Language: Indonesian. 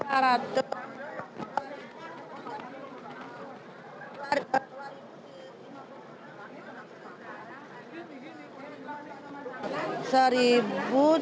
tadi dulu sudah ada kosongan kalau saya lihat